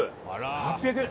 ８００円。